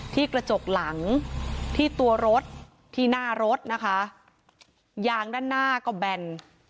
ที่กระจกหลังที่ตัวรถที่หน้ารถนะคะยางด้านหน้าก็แบน